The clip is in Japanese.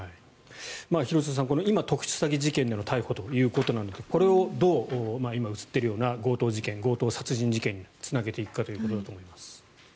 廣津留さん、今特殊詐欺事件での逮捕ということなのでこれをどう今映っているような強盗事件、強盗殺人事件につなげていくかということだと思います。